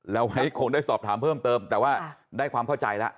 ไว้คงได้สอบถามเพิ่มเติมแต่ว่าได้ความเข้าใจแล้ว